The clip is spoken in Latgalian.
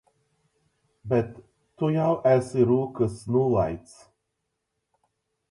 Bet - tu jau esi rūkys nūlaids.